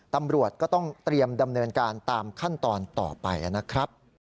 ตำรวจก็ต้องเตรียมดำเนินการตามขั้นตอนต่อไปนะครับ